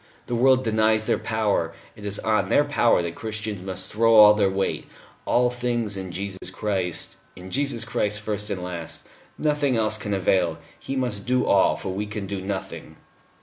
The world denies their power: it is on their power that Christians must throw all their weight. All things in Jesus Christ in Jesus Christ, first and last. Nothing else can avail. He must do all, for we can do nothing."